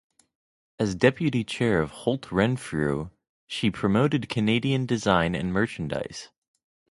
As deputy chair of Holt Renfrew, she promoted Canadian design and merchandise.